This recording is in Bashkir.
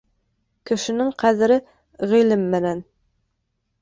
Кешенең ҡәҙере ғилем менән.